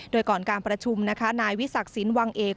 โดยก่อนการประชุมนะคะนายวิศักดิ์สินวังเอก